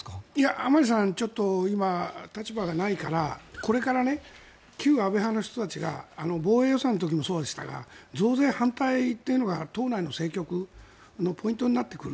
甘利さんはちょっと今立場がないからこれから旧安倍派の人たちが防衛予算の時もそうでしたが増税反対というのが党内の政局のポイントになってくる。